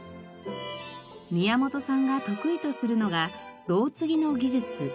宮本さんが得意とするのが「どうつぎ」の技術。